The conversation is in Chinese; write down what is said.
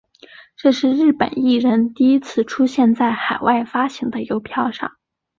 这是日本艺人第一次出现在海外发行的邮票上。